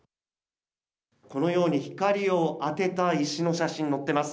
このように光を当てた石の写真載っています。